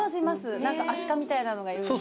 何かアシカみたいなのがいるんです。